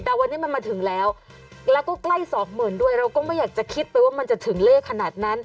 แต่วันนี้มันมาถึงแล้วแล้วก็ใกล้สองหมื่นด้วยเราก็ไม่อยากจะคิดไปว่ามันจะถึงเลขขนาดนั้น